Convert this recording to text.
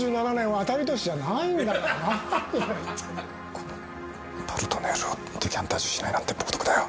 この「パルトネール」をデカンタージュしないなんて冒だよ。